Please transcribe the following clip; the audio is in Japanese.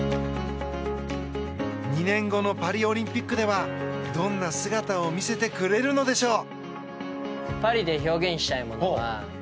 ２年後のパリオリンピックではどんな姿を見せてくれるのでしょう。